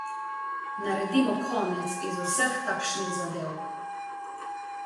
Naredimo konec iz vseh takšnih zadev.